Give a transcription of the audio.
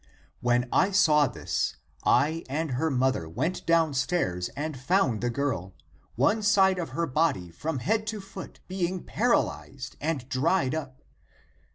" When I saw this, I and her mother went down stairs and found the girl, one side of her body from head to foot being paralyzed and dried up.